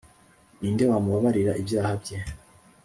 ni nde wamubabarira ibyaha bye?